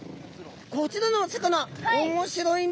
こちらのお魚面白いんですね。